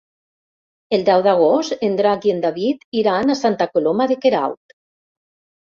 El deu d'agost en Drac i en David iran a Santa Coloma de Queralt.